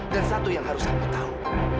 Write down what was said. dan satu yang harus kamu tahu